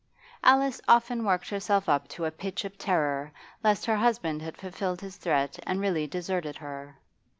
Alice often worked herself up to a pitch of terror lest her husband had fulfilled his threat and really deserted her.